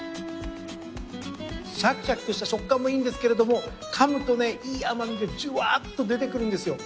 シャキシャキとした食感もいいんですけれどもかむといい甘みがジュワッと出てくるんですよ。